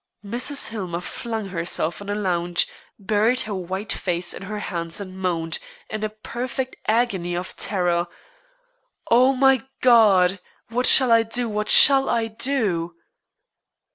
Mrs. Hillmer flung herself on a lounge, buried her white face in her hands and moaned, in a perfect agony of terror: "Oh, my God! What shall I do? What shall I do?"